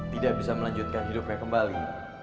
tidak bisa melanjutkan hidupnya kembali